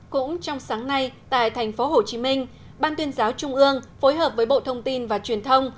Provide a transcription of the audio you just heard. cũng trong sáng nay tại tp hcm ban tuyên giáo trung ương phối hợp với bộ thông tin và truyền thông